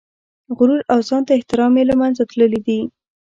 غرور او ځان ته احترام یې له منځه تللي دي.